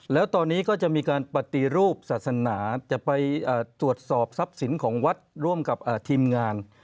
แล้วตอนนี้ก็จะมีการปฏิรูปศาสนาจะไปตรวจสอบทรัพย์สินของวัดร่วมกับทีมงาน